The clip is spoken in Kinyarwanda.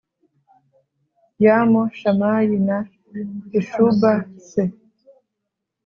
yamu Shamayi na Ishuba se